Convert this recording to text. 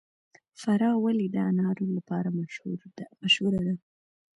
فراه ولې د انارو لپاره مشهوره ده؟